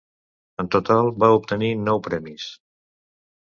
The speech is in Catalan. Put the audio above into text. En total va obtenir nou premis.